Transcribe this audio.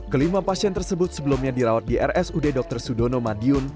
kelima pasien tersebut sebelumnya dirawat di rsud dr sudono madiun